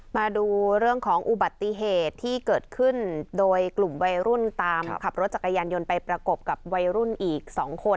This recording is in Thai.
มาดูเรื่องของอุบัติเหตุที่เกิดขึ้นโดยกลุ่มวัยรุ่นตามขับรถจักรยานยนต์ไปประกบกับวัยรุ่นอีก๒คน